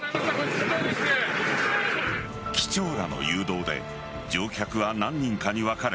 機長らの誘導で乗客は何人かに分かれ